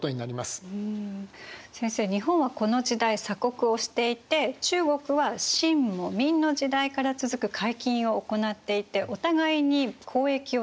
先生日本はこの時代鎖国をしていて中国は清も明の時代から続く海禁を行っていてお互いに交易を統制していますよね。